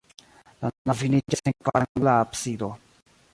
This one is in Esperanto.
La navo finiĝas en kvarangula absido.